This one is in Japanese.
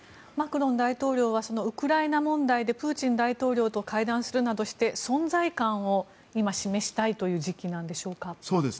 マクロン大統領はウクライナ問題でプーチン大統領と会談するなどして存在感を今、示したい時期でしょうか。